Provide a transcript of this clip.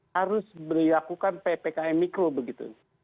harus berlakukan ppkm mikro begitu